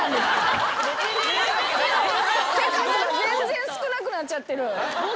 手数が全然少なくなっちゃってる。